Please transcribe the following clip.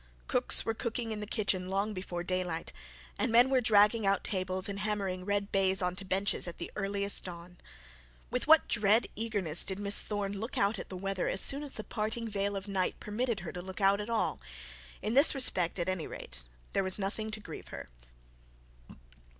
Cooks were cooking in the kitchen long before daylight, and men were dragging out tables and hammering red baize on to benches at the earliest dawn. With what dread eagerness did Miss Thorne look out at the weather as soon as the parting veil of night permitted her to look at all! In this respect at any rate there was nothing to grieve her.